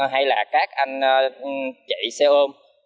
hay là các anh chị xe ôm